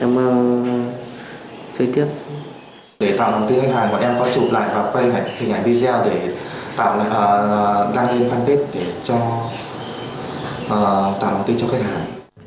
để tạo đồng tiền cho khách hàng mọi em có chụp lại và quay hình ảnh video để tạo đăng lên fanpage để tạo đồng tiền cho khách hàng